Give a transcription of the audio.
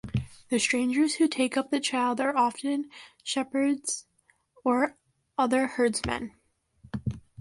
The strangers who take up the child are often shepherds or other herdsmen.